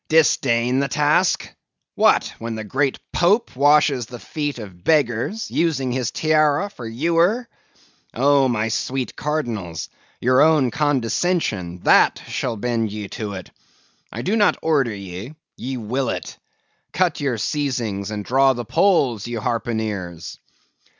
Disdain the task? What, when the great Pope washes the feet of beggars, using his tiara for ewer? Oh, my sweet cardinals! your own condescension, that shall bend ye to it. I do not order ye; ye will it. Cut your seizings and draw the poles, ye harpooneers!"